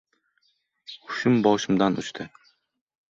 Hushim boshimdan uchdi.